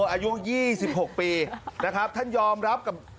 อายุ๒๖ปีท่านยอมรับกับ